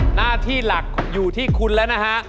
หน้าที่หลักอยู่ที่คุณแล้วนะฮะ